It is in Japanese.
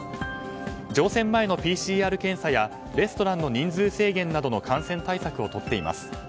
乗船前のＰＣＲ検査やレストランの人数制限などの感染対策をとっています。